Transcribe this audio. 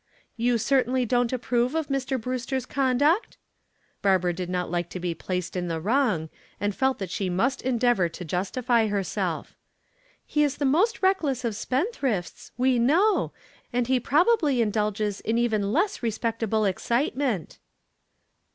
"You certainly don't approve of Mr. Brewster's conduct?" Barbara did not like to be placed in the wrong, and felt that she must endeavor to justify herself. "He is the most reckless of spend thrifts, we know, and he probably indulges in even less respectable excitement."